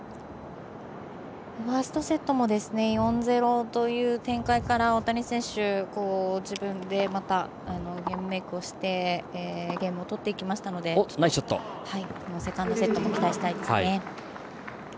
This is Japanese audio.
ファーストセットも４−０という展開から大谷選手、自分でゲームメイクをしてゲームを取っていきましたのでセカンドセットも期待したいですね。